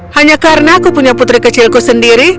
hanya karena aku punya putri kecilku sendiri